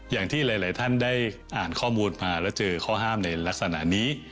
อย่างที่หลายท่านได้อ่านข้อมูลมาแล้วเจอข้อห้ามในลักษณะนี้